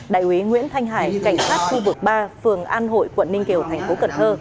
đại úy nguyễn thanh hải cảnh sát khu vực ba phường an hội quận ninh kiều tp cn